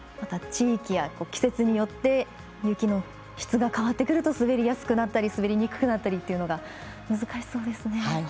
地域や季節によって雪の質が変わってくると滑りやすくなったり滑りにくくなったり難しそうですね。